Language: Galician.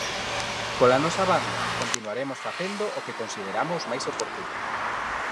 Pola nosa banda, continuaremos facendo o que consideramos máis oportuno.